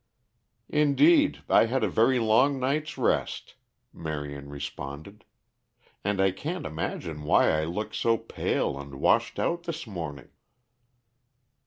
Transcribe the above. "Indeed, I had a very long night's rest," Marion responded. "And I can't imagine why I look so pale and washed out this morning!"